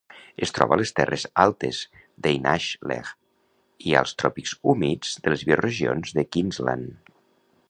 Es troba a les terres altes d'Einaslegh i als tròpics humits de les bioregions de Queensland.